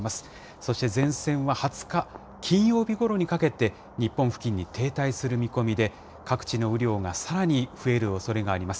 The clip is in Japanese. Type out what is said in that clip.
そして前線は２０日金曜日ごろにかけて、日本付近に停滞する見込みで、各地の雨量がさらに増えるおそれがあります。